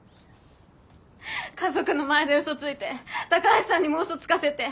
家族の前で嘘ついて高橋さんにも嘘つかせて。